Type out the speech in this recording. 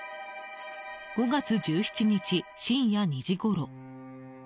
５月１７日、深夜２時ごろ。